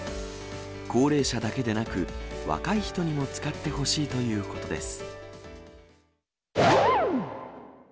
高齢者だけでなく、若い人にも使ってほしいということです。